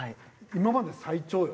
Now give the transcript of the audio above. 今までで最長よ。